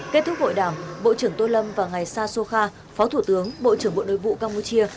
kết thúc hội đảm bộ trưởng tô lâm và ngài sa sô kha phó thủ tướng bộ trưởng bộ nội vụ campuchia